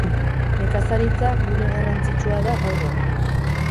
Nekazaritza gune garrantzitsua da gaur egun.